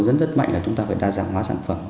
rất rất mạnh là chúng ta phải đa dạng hóa sản phẩm